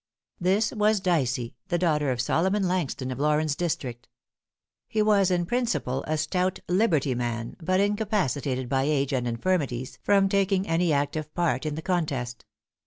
This was Dicey, the daughter of Solomon Langston of Laurens District. He was in principle a stout liberty man, but incapacitated by age and infirmities from taking any active part in the contest.